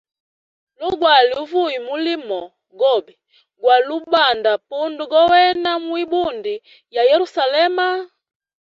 Lo gwali uvuya mulimo gobe gwali ubanda punda gowena mwibundi ya Yerusalema.